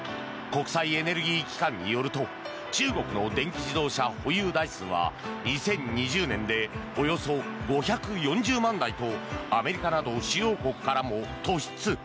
国際エネルギー機関によると中国の電気自動車保有台数は２０２０年でおよそ５４０万台とアメリカなど主要国からも突出。